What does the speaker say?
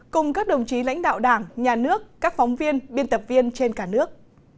cùng các đồng chí lãnh đạo đảng nhà nước các phóng viên biên tập viên trên cả nước